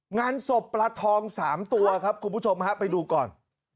งานศพปลาทอง๓ตัวครับคุณผู้ชมฮะไปดูก่อน